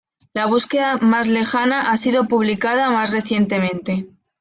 La búsqueda más lejana ha sido publicada más recientemente.